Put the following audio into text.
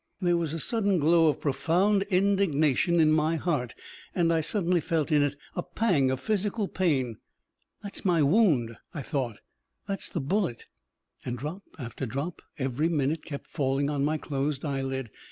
There was a sudden glow of profound indignation in my heart, and I suddenly felt in it a pang of physical pain. "That's my wound," I thought; "that's the bullet...." And drop after drop every minute kept falling on my closed eyelid.